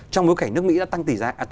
trong bối cảnh nước mỹ đã tăng tỷ giá